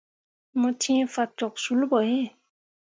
Mo cẽe fah cok sul ɓo iŋ.